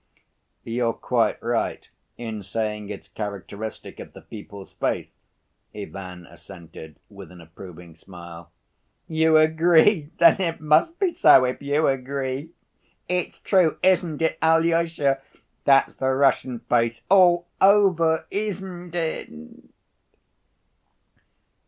"You're quite right in saying it's characteristic of the people's faith," Ivan assented, with an approving smile. "You agree. Then it must be so, if you agree. It's true, isn't it, Alyosha? That's the Russian faith all over, isn't it?"